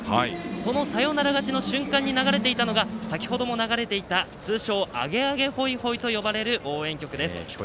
そのサヨナラ勝ちの瞬間に流れていたのが先ほども流れていた通称「アゲアゲホイホイ」という応援曲です。